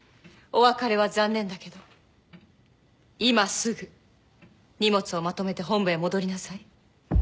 お別れは残念だけど今すぐ荷物をまとめて本部へ戻りなさい。